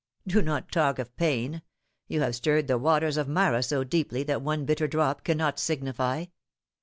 " Do not talk of pain. You have stirred the waters of Marah so deeply that one more bitter drop cannot signify."